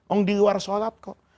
om di luar sholat kok